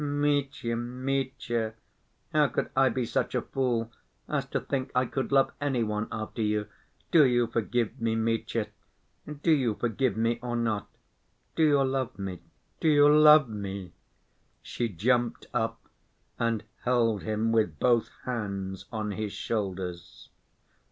Mitya, Mitya, how could I be such a fool as to think I could love any one after you? Do you forgive me, Mitya? Do you forgive me or not? Do you love me? Do you love me?" She jumped up and held him with both hands on his shoulders.